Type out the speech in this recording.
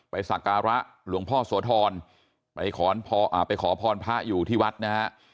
สักการะหลวงพ่อโสธรไปขอไปขอพรพระอยู่ที่วัดนะฮะ